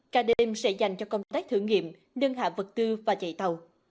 ca đêm sẽ dành cho công tác thử nghiệm đơn hạ vật tư và chạy tàu